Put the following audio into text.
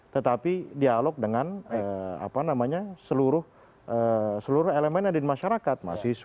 tetapi dialog dengan seluruh elemen yang ada di masyarakat